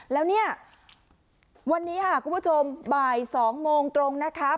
แล้วเนี่ยวันนี้ค่ะคุณผู้ชมบ่าย๒โมงตรงนะคะ